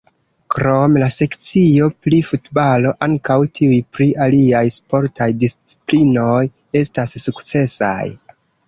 Krom la sekcio pri futbalo, ankaŭ tiuj pri aliaj sportaj disciplinoj estas sukcesaj.